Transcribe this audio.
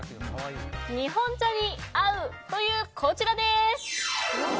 日本茶に合う！というこちらです。